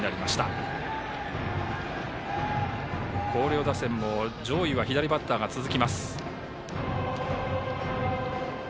広陵打線も上位は左バッターが続きます。